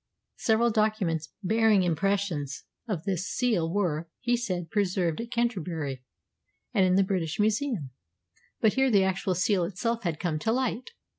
Several documents bearing impressions of this seal were, he said, preserved at Canterbury and in the British Museum, but here the actual seal itself had come to light.